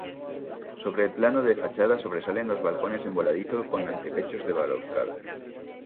Sobre el plano de fachada sobresalen los balcones en voladizo con antepechos de balaustrada.